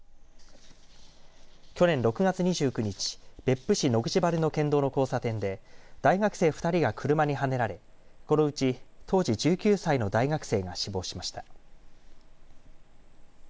去年６月２９日別府市野口原の県道の交差点で大学生２人が車にはねられこのうち当時１９歳の大学生が死亡しました。